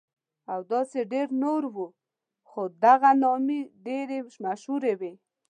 او داسې ډېر نور وو، خو دغه نامې ډېرې مشهورې وې.